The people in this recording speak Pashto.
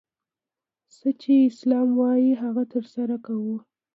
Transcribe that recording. څه چي اسلام وايي هغه ترسره کوه!